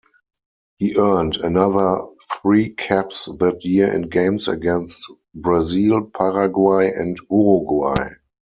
He earned another three caps that year in games against Brazil, Paraguay and Uruguay.